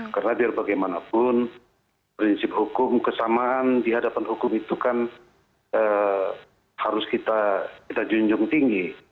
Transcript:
karena biar bagaimanapun prinsip hukum kesamaan di hadapan hukum itu kan harus kita junjung tinggi